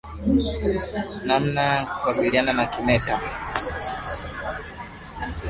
Namna ya kukabiliana na kimeta